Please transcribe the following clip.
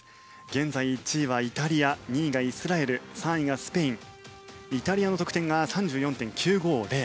現在、１位はイタリア２位がイスラエル３位がスペインイタリアの得点が３４．９５０